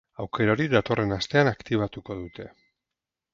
Aukera hori datorren astean aktibatuko dute.